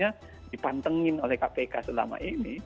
karena dipantengin oleh kpk selama ini